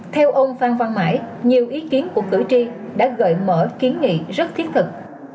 theo ông phan văn mãi nhiều ý kiến của cử tri đã gợi mở kiến nghị rất thiết thực